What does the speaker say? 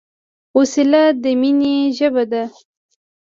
وسله د مینې ژبه نه ده